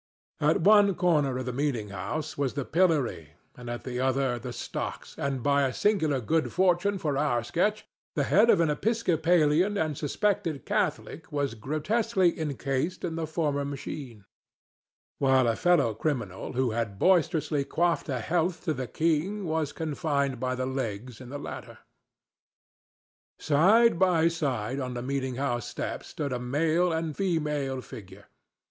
At one corner of the meeting house was the pillory and at the other the stocks, and, by a singular good fortune for our sketch, the head of an Episcopalian and suspected Catholic was grotesquely encased in the former machine, while a fellow criminal who had boisterously quaffed a health to the king was confined by the legs in the latter. Side by side on the meeting house steps stood a male and a female figure.